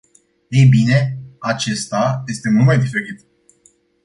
Ei bine, acesta este mult mai diferit.